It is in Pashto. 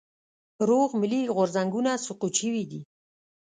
روغ ملي غورځنګونه سقوط شوي دي.